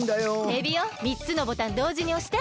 エビオみっつのボタンどうじにおして。